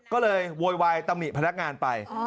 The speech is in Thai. ก็เลยโวยวายตำหนิพนักงานไป